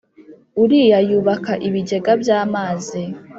uriya yubaka ibigega by’amazi.